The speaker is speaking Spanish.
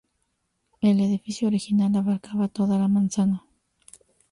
El edificio original abarcaba toda la manzana.